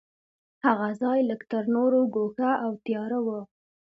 هغه ځای لږ تر نورو ګوښه او تیاره و.